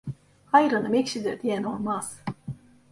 Ayranım ekşidir diyen olmaz.